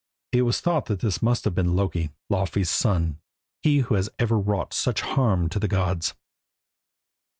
It was thought that this must have been Loki, Laufey's son, he who has ever wrought such harm to the gods.